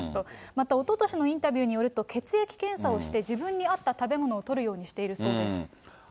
またおととしのインタビューによると、血液検査をして、自分に合った食べ物をとるようにしているそうです。